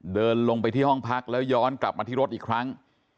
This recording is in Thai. เดินลงไปที่ห้องพักแล้วย้อนกลับมาที่รถอีกครั้ง